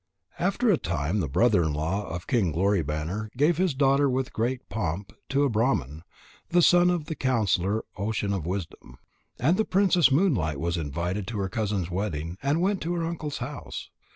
After a time the brother in law of King Glory banner gave his daughter with great pomp to a Brahman, the son of the counsellor Ocean of Wisdom. And the princess Moonlight was invited to her cousin's wedding and went to her uncle's house.